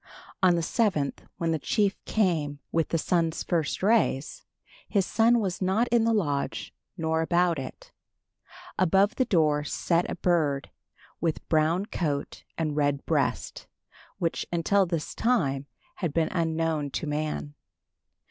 On the seventh, when the chief came with the sun's first rays, his son was not in the lodge nor about it. Above the door sat a bird with brown coat and red breast, which until this time had been unknown to man.